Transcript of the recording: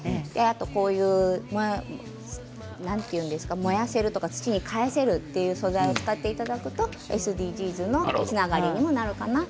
こういう燃やせるというか土に返せる素材を使っていただくとＳＤＧｓにつながるかなと。